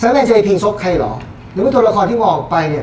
สไปเดอร์แมนจะไปพิงซ็อปใครหรอแล้วมันตัวละครที่มองไปเนี้ย